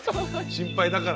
心配だからね。